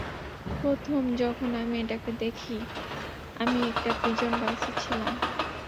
প্রথম যখন আমি এটাকে দেখি, আমি একটা প্রিজন বাসে ছিলাম।